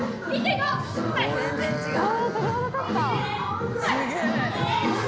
全然違う！